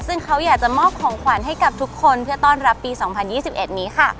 ซึ่งเขาอยากจะมอบของขวัญให้กับทุกคนเพื่อต้อนรับปี๒๐๒๑นี้ค่ะ